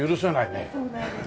そうなんです。